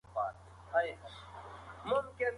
بې ګرامره ژبه ګډوډي جوړوي.